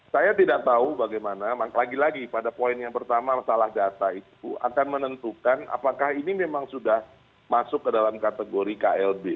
saya tidak tahu bagaimana lagi lagi pada poin yang pertama masalah data itu akan menentukan apakah ini memang sudah masuk ke dalam kategori klb